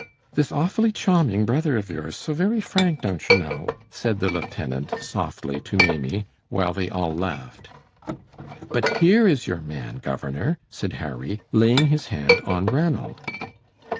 "This awfully charming brother of yours, so very frank, don't you know!" said the lieutenant, softly, to Maimie, while they all laughed. "But here is your man, governor," said Harry, laying his hand on Ranald.